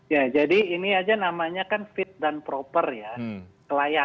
ya jadi ini saja namanya fit and proper ya